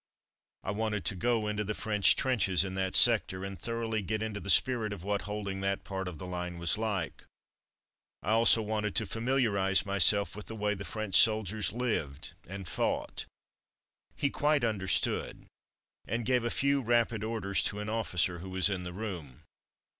I wanted to go into the French trenches in that sector, and thor oughly get into the spirit of what holding that part of the line was like; also I wanted to familiarize myself with the way the French soldiers lived and fought. He quite 157 158 From Mud to Mufti understood, and gave a few rapid orders to an officer who was in the room.